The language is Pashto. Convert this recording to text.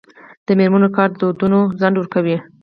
د میرمنو کار د ودونو ځنډ ورکوي.